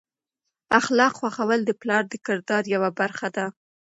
اخلاق ښوول د پلار د کردار یوه برخه ده.